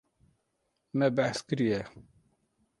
Me behs kiriye.